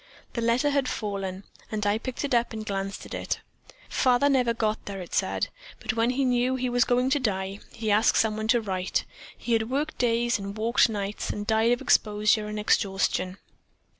The letter had fallen, and I picked it up and glanced at it. Father never got there, it said, but when he knew he was going to die he asked someone to write. He had worked days and walked nights and died of exposure and exhaustion.